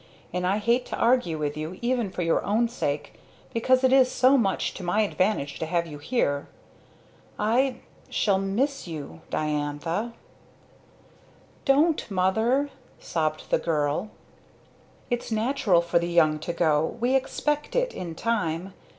And I hate to argue with you even for your own sake, because it is so much to my advantage to have you here. I shall miss you Diantha!" "Don't, Mother!" sobbed the girl. "Its natural for the young to go. We expect it in time.